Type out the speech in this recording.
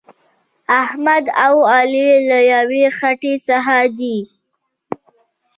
احمد او علي له یوې خټې څخه دي.